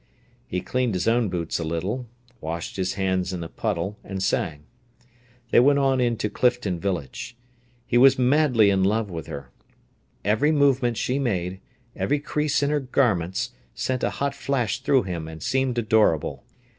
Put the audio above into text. He cleaned his own boots a little, washed his hands in a puddle, and sang. They went on into Clifton village. He was madly in love with her; every movement she made, every crease in her garments, sent a hot flash through him and seemed adorable.